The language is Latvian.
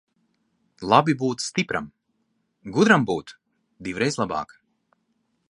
Labi būt stipram, gudram būt divreiz labāk.